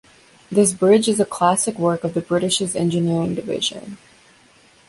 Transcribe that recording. This bridge is a classic work of the British's engineering division.